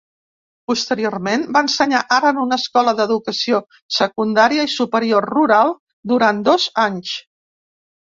Posteriorment va ensenyar art en una escola d'educació secundària i superior rural durant dos anys.